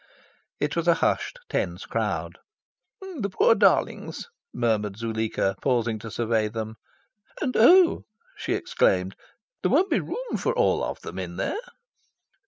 It was a hushed, tense crowd. "The poor darlings!" murmured Zuleika, pausing to survey them. "And oh," she exclaimed, "there won't be room for all of them in there!"